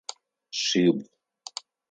Шъибгъу.